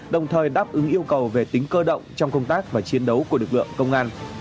đồng thời đáp ứng yêu cầu về tính cơ động trong công tác và chiến đấu của lực lượng công an